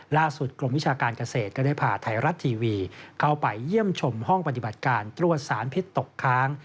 กรมวิชาการเกษตรก็ได้พาไทยรัฐทีวีเข้าไปเยี่ยมชมห้องปฏิบัติการตรวจสารพิษตกค้าง